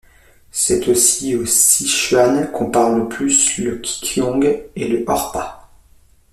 C'est aussi au Sichuan qu'on parle le plus le guiqiong et le horpa.